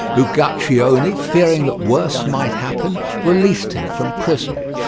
Uguccione, fearing that worse might happen, released him from prison.